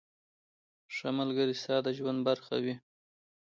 • ښه ملګری ستا د ژوند برخه وي.